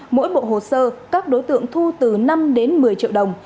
mỗi bộ hồ sơ các đối tượng thu từ năm đến một mươi triệu đồng